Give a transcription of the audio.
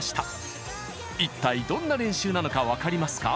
一体どんな練習なのか分かりますか？